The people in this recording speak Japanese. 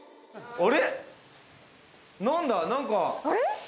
あれ⁉